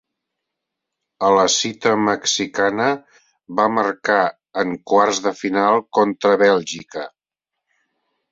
A la cita mexicana, va marcar en quarts de final contra Bèlgica.